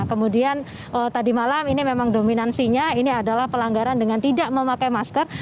kemudian tadi malam ini memang dominansinya ini adalah pelanggaran dengan tidak memakai masker